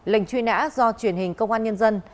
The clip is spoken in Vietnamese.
lệnh truy nã do truyền hình công an nhân dân